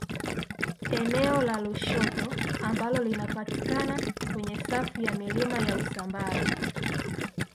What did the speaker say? Eneo la Lushoto ambalo linapatikana kwenye safu ya milima ya Usambara